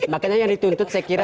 makanya yang dituntut saya kira